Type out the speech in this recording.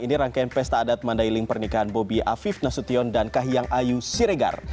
ini rangkaian pesta adat mandailing pernikahan bobi afif nasution dan kahiyang ayu siregar